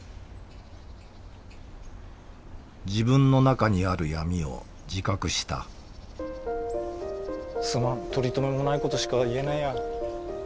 自分の中にある闇を自覚したすまん取りとめもないことしか言えないや。